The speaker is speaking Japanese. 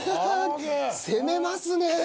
攻めますね！